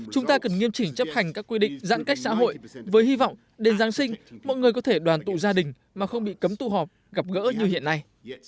chúng ta cần nghiêm chỉnh chấp hành các quy định giãn cách xã hội với hy vọng đến giáng sinh mọi người có thể đoàn tụ gia đình mà không bị cấm tụ họp gặp gỡ như hiện nay